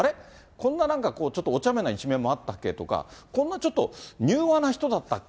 こんななんかこう、おちゃめな一面もあったっけ？とか、こんなちょっと柔和な人だったっけ？